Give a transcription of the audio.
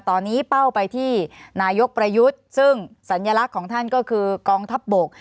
ตอนนี้เป้าไปที่นายกประยุทธ์ซึ่งสัญลักษณ์ของท่านก็คือกองทัพบก